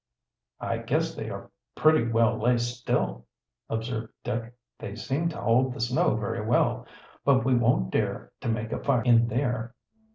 "I guess they are pretty well laced still," observed Dick. "They seem to hold the snow very well. But we won't dare to make a fire in there."